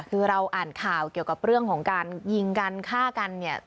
คือเราอ่านข่าวเกี่ยวกับเรื่องของการยิงกันฆ่ากันเนี่ย